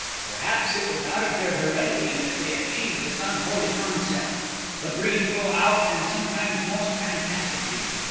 "Perhaps it was out of their heredity that they achieved this unholy concept. The breed will out and sometimes most fantastically.